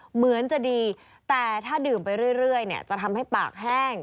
เหมือนจะดีแต่ถ้าดื่มไปเรื่อยเนี่ยจะทำให้ปากแห้ง